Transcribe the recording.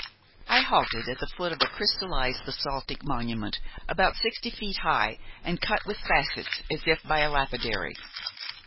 I halted at the foot of a crystallized basaltic monument, about sixty feet high and cut with facets as if by a lapidary.